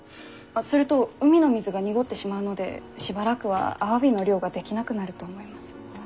すると海の水が濁ってしまうのでしばらくはアワビの漁ができなくなると思います。